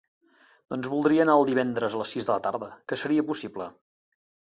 Doncs voldria anar el divendres a les sis de la tarda, seria possible?